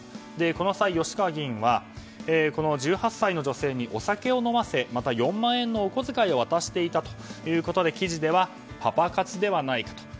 この際、吉川議員は１８歳の女性にお酒を飲ませまた４万円のお小遣いを渡していたということで記事では、パパ活ではないかと。